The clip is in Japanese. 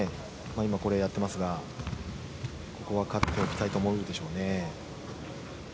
今これをやってますがここは勝っておきたいと思うでしょうね。